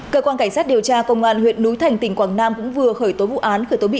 cơ quan cảnh sát điều tra công an huyện núi thành tỉnh quảng nam cũng vừa khởi tố vụ án khởi tố bị